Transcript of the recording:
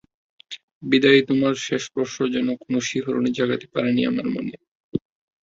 বিদায়ী তোমার শেষ স্পর্শ যেন কোনো শিহরণই জাগাতে পারেনি আমার মনে।